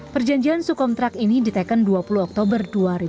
perjanjian subkontrak ini ditekan dua tahun